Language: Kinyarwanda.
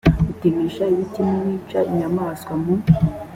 utemesha ibiti n uwica inyamaswa mu